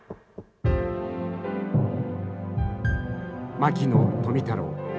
牧野富太郎。